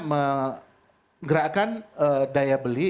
menggerakkan daya beli